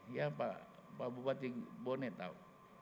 ya pak bupati bone tahu